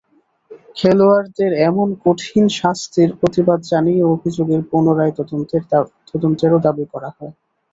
খেলোয়াড়দের এমন কঠিন শাস্তির প্রতিবাদ জানিয়ে অভিযোগের পুনঃ তদন্তেরও দাবি করা হয়।